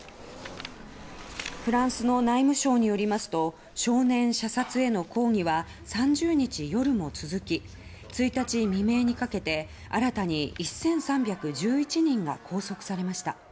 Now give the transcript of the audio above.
フランスの内務省によりますと少年射殺への抗議は３０日夜も続き１日未明にかけて、新たに１３１１人が拘束されました。